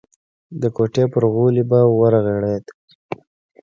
د کوټې پر غولي به ورغړېد.